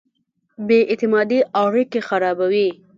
بې اعتمادۍ اړیکې خرابوي.